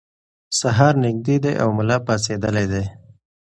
سهار نږدې دی او ملا پاڅېدلی دی.